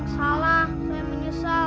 salah saya menyesal